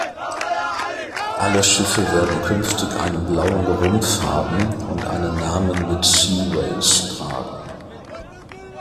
Alle Schiffe werden künftig einen blauen Rumpf haben und einen Namen mit „Seaways“ tragen.